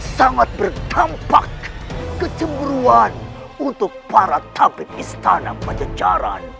sangat berdampak kecemburuan untuk para tabit istana pajajaran